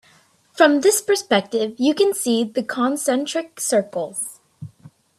From this perspective you can see the concentric circles.